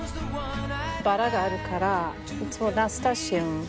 バラがあるからいつもナスタチウム